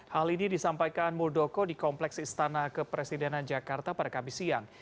hal ini disampaikan muldoko di kompleks istana kepresidenan jakarta pada kamis siang